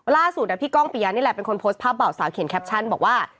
ล่าสุดพี่ก้องปียะนี่แหละเป็นคนโพสต์ภาพเบาสาวเขียนแคปชั่นบอกว่า